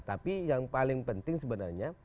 tapi yang paling penting sebenarnya